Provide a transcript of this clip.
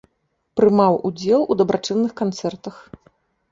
Прымаў удзел у дабрачынных канцэртах.